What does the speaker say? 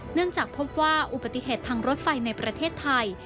เนื่องจากพบว่าอุบัติเหตุทางรถไฟในประเทศไทย